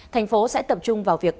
thành phố sẽ tập trung vào việc